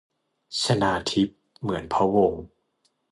ชนาธิป เหมือนพะวงศ์